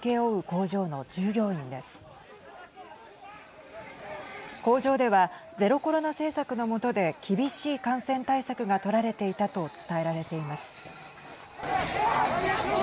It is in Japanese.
工場では、ゼロコロナ政策の下で厳しい感染対策が取られていたと伝えられています。